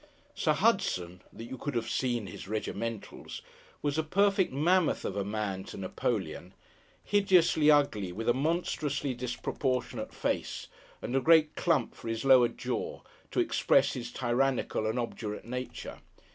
Sir Hudson (that you could have seen his regimentals!) was a perfect mammoth of a man, to Napoleon; hideously ugly, with a monstrously disproportionate face, and a great clump for the lower jaw, to express his tyrannical and obdurate nature.